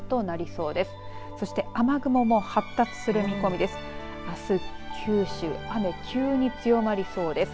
そして雨雲も発達する見込みです。